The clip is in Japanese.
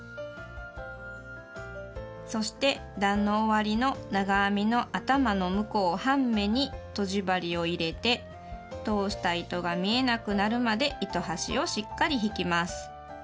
そして段の終わりの長編みの頭の向こう半目にとじ針を入れて通した糸が見えなくなるまで糸端をしっかり引きます。